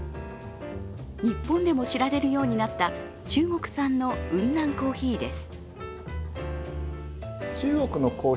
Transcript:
日本でも知られるようになった中国産の雲南コーヒーです。